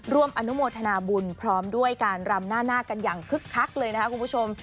ร่วมอนุโมทนาบุญพร้อมด้วยการรำหน้าหน้ากันอย่างคึกคักเลยนะคะคุณผู้ชม